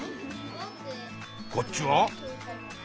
こっちは？